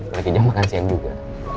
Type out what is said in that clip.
lagi jam makan siang juga